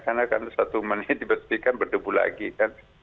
karena kan satu menit dibersihkan berdubu lagi kan